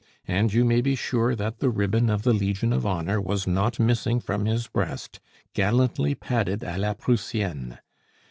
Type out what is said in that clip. And you may be sure that the ribbon of the Legion of Honor was not missing from his breast, gallantly padded a la Prussienne.